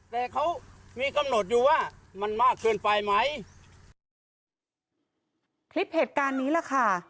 แต่เขามีกำหนดอยู่ว่ามันมากเกินไปไหมคลิปเหตุการณ์นี้แหละค่ะ